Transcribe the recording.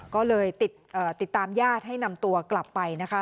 ก็เลยติดตามญาติให้นำตัวกลับไปนะคะ